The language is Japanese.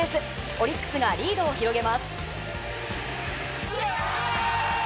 オリックスがリードを広げます。